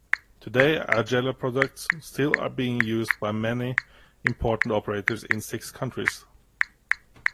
Today, Argela products still are being used by many important operators in six countries.